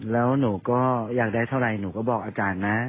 แล้วหนูก็อยากได้เท่าไหร่หนูก็บอกอาจารย์นะ